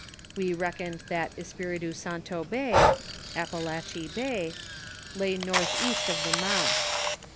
"We reck^ oned that Espiritu Santo bay (Appalachee Bay), lay north east of the mouth.